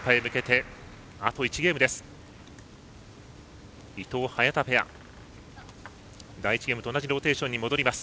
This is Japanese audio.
第１ゲームゲームと同じローテーションに戻ります。